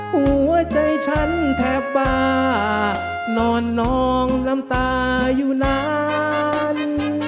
หัวใจฉันแทบบ้านอนนองลำตาอยู่นาน